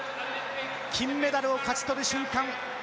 金メダルを勝ち取る瞬間。